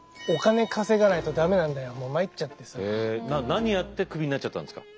何やってクビになっちゃったんですか？